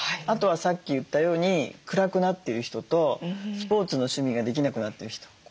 あとはさっき言ったように暗くなってる人とスポーツの趣味ができなくなってる人。